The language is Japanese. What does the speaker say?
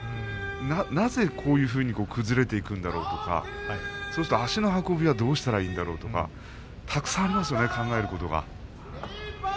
なぜこういうふうに崩れていくんだろうとかそうすると足の運びはどうすればいいんだろうとかたくさんありますしね考えることは。